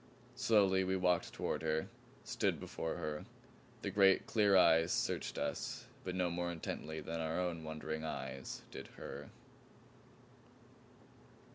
Slowly we walked toward her, stood before her. The great clear eyes searched us but no more intently than our own wondering eyes did her.